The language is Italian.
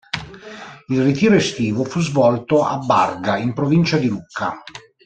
Il ritiro estivo fu svolto a Barga, in provincia di Lucca.